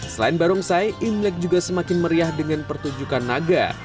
selain barongsai imlek juga semakin meriah dengan pertunjukan naga